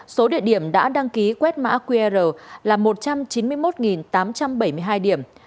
số địa điểm đã đăng ký quét mã qr là một trăm chín mươi một tám trăm bảy mươi hai điểm